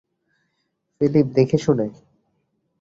Philip, দেখেশুনে।